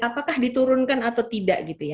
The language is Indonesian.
apakah diturunkan atau tidak